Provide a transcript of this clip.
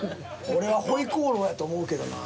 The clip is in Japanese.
俺は回鍋肉やと思うけどな。